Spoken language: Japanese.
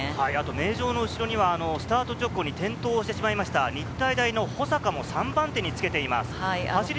名城の後ろにはスタート直後に転倒をしてしまいました日体大の保坂も、３番手につけています。